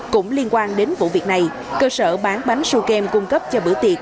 cũng liên quan đến vụ việc này cơ sở bán bánh sô kem cung cấp cho bữa tiệc